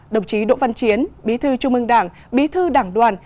đồng chí đỗ văn chiến bí thư trung ương đảng bí thư đảng đoàn